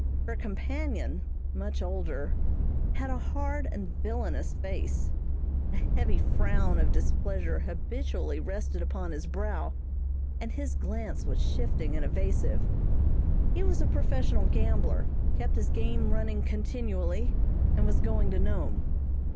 Her companion, much older, had a hard and villainous face. A heavy frown of displeasure habitually rested upon his brow, and his glance was shifting and evasive. He was a professional gambler, kept his game running continually, and was going to Nome.